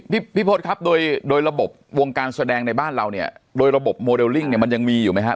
พี่พี่พศครับโดยโดยระบบวงการแสดงในบ้านเราเนี่ยโดยระบบโมเดลลิ่งเนี่ยมันยังมีอยู่ไหมฮะ